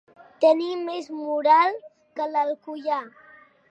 Tenir més moral que l'Alcoià.